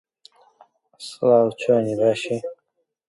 مردن لە پیاواندا بەرزترە بەپێی توێژینەوەک کە لە چین و ئیتاڵیا کراوە.